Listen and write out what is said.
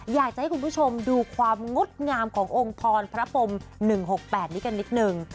อยากจะให้คุณผู้ชมดูความงดงามขององค์พรพระพรม๑๖๘นี้กันนิดนึง